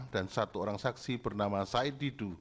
dan satu orang saksi bernama said didu